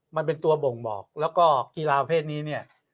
มันเป็นตัวบ่งบอกแล้วก็กีฬาประเภทนี้เนี่ย